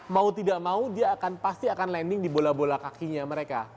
mau tidak mau dia akan pasti akan landing di bola bola kakinya mereka